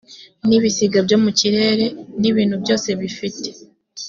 n ibisiga byo mu kirere n ibintu byose bifite